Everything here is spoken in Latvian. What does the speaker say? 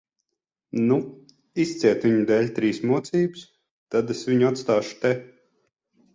Nu, izciet viņa dēļ trīs mocības, tad es viņu atstāšu te.